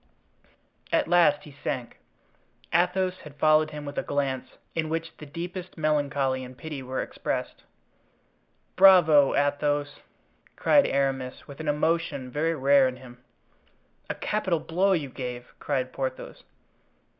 At last he sank. Athos had followed him with a glance in which the deepest melancholy and pity were expressed. "Bravo! Athos!" cried Aramis, with an emotion very rare in him. "A capital blow you gave!" cried Porthos.